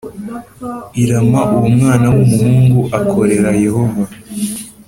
i Rama uwo mwana w umuhungu akorera Yehova